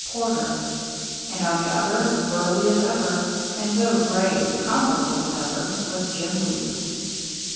Porter, and on the other, burly as ever, and, though grave, confident as ever, was Jim Weeks.